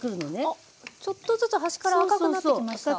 あっちょっとずつ端から赤くなってきました。